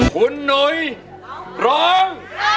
ขุนน้อยร้อง